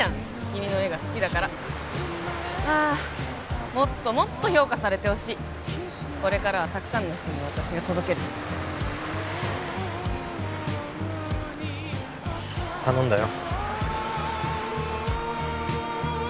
君の絵が好きだからあもっともっと評価されてほしいこれからはたくさんの人に私が届ける頼んだよ